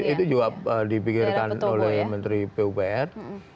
itu juga dipikirkan oleh menteri pupr